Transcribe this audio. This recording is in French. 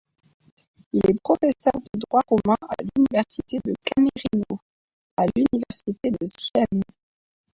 Il est professeur de droit romain à l’Université de Camerino, à l’Université de Sienne.